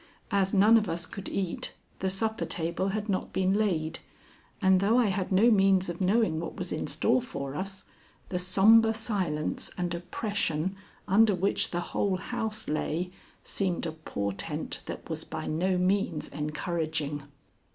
As none of us could eat, the supper table had not been laid, and though I had no means of knowing what was in store for us, the sombre silence and oppression under which the whole house lay seemed a portent that was by no means encouraging.